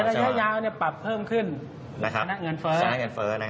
ในระยะยาวปรับเพิ่มขึ้นชนะเงินเฟอร์